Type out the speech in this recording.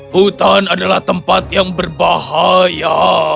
hutan adalah tempat yang berbahaya